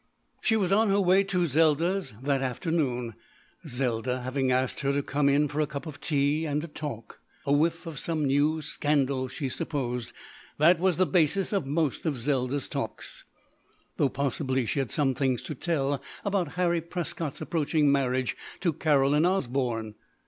She was on her way to Zelda's that afternoon, Zelda having asked her to come in for a cup of tea and a talk. A whiff of some new scandal, she supposed. That was the basis of most of Zelda's "talks." Though possibly she had some things to tell about Harry Prescott's approaching marriage to Caroline Osborne.